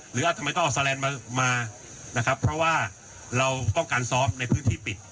หรืออาจจะไม่ต้องเอามานะครับเพราะว่าเราต้องการซ้อมในพื้นที่ปิด